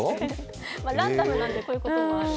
ランダムなので、こういうこともある。